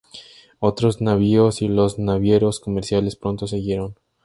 Otros navíos y los navieros comerciales pronto siguieron.